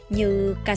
như cà xỉu